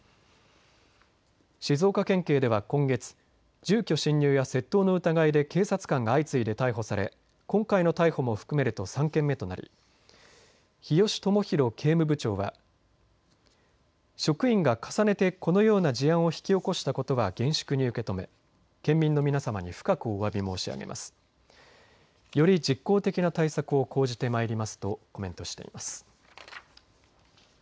静岡県警では今月、住居侵入や窃盗の疑いで警察官が相次いで逮捕され今回の逮捕も含めると３件目となり日吉知洋警務部長は職員が重ねてこのような事案を引き起こしたことは厳粛に受け止め、県民の皆様に深くおわび申し上げます。より実効的な対策を講じてまいりますとコメントしています。